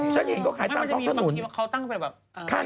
ใช่มันมีบางทีเขาตั้งไปแบบใคร